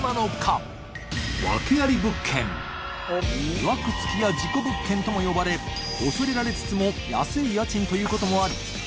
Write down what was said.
「いわくつき」や「事故物件」とも呼ばれ欧譴蕕譴弔弔安い家賃ということもあり貮瑤